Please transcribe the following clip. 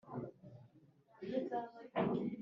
waba uzi izina ryayo?